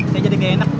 saya jadi genek